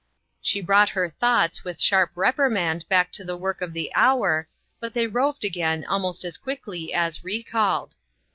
She brought her thoughts with sharp repri mand back to the work of the hour, but they roved again almost as quickly as re called.